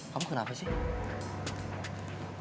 kamu kenapa sih